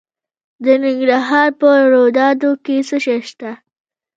د ننګرهار په روداتو کې څه شی شته؟